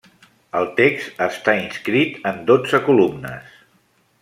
El text està inscrit en dotze columnes.